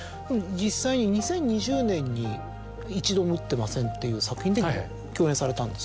実際に２０２０年に『一度も撃ってません』っていう作品で共演されたんですよね。